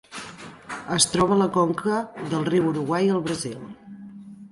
Es troba a la conca del riu Uruguai al Brasil.